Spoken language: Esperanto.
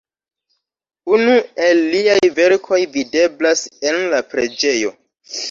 Unu el liaj verkoj videblas en la preĝejo.